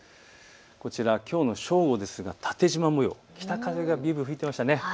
こちらきょうの正午ですが縦じま模様、北風がびゅーびゅー吹いていましたね。